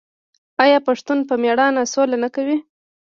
آیا پښتون په میړانه سوله نه کوي؟